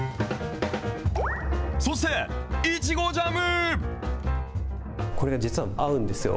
そして、いちごジャム。